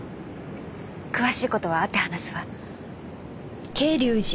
詳しい事は会って話すわ。